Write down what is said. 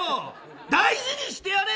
大事にしてやれよ。